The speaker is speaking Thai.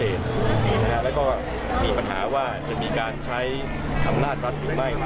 แล้วก็มีปัญหาว่าจะมีการใช้อำนาจรัฐหรือไม่